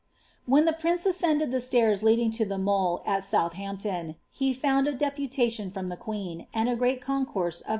When the prince ascended the stairs leading to the mole at Soedh ampton, he found a deputation from the queen, and a greet concourse of ' Strype*« Meraorials.